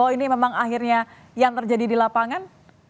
ini memang akhirnya yang terjadi di lapangan